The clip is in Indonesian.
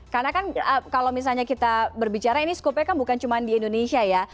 karena kan kalau misalnya kita berbicara ini skopnya kan bukan cuma di indonesia ya